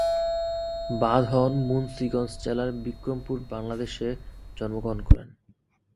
বাঁধন মুন্সীগঞ্জ জেলার বিক্রমপুর বাংলাদেশে জন্ম গ্রহণ করেন।